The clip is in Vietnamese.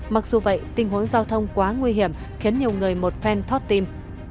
mặc dù vậy tình huống giao thông quá nguy hiểm khiến nhiều người một phen thót tim